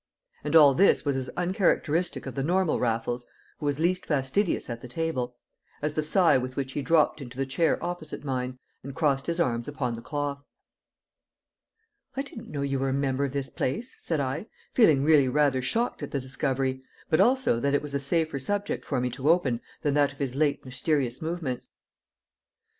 And all this was as uncharacteristic of the normal Raffles (who was least fastidious at the table) as the sigh with which he dropped into the chair opposite mine, and crossed his arms upon the cloth. "I didn't know you were a member of this place," said I, feeling really rather shocked at the discovery, but also that it was a safer subject for me to open than that of his late mysterious movements.